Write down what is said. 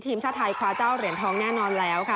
ทีมชาติไทยคว้าเจ้าเหรียญทองแน่นอนแล้วค่ะ